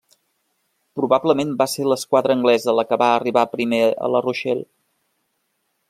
Probablement va ser l'esquadra anglesa la que va arribar primer a La Rochelle.